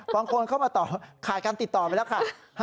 บางคนเข้ามาต่อขาดการติดต่อไปแล้วค่ะ